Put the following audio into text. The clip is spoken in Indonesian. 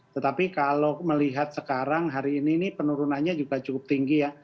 tetapi kalau melihat sekarang hari ini penurunannya juga cukup tinggi ya